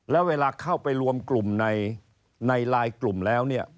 แล้วเวลาเข้าไปรวมกลุ่มในลายกลุ่มแล้วเนี่ย